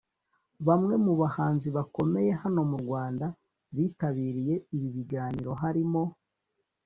Bamwe mu bahanzi bakomeye hano mu Rwanda bitabiriye ibi biganiro harimo